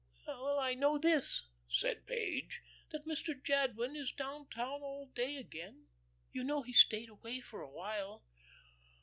"Well, I know this," said Page, "that Mr. Jadwin is down town all day again. You know he stayed away for a while."